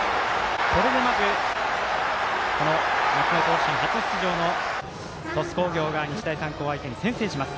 これで夏の甲子園初出場の鳥栖工業が日大三高を相手に先制します。